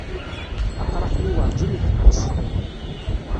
Aqraḥ-nni werjin iḥebbes.